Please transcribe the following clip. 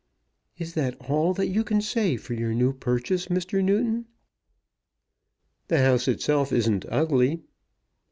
"Is that all you can say for your new purchase, Mr. Newton?" "The house itself isn't ugly."